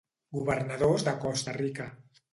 Governadors de Costa Rica